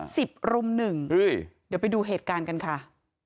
สิบรุมหนึ่งอุ้ยเดี๋ยวไปดูเหตุการณ์กันค่ะ